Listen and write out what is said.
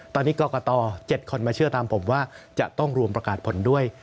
ตอนนี้กรกต๗คนมาเชื่อตามผมว่าจะต้องรวมประกาศผลด้วย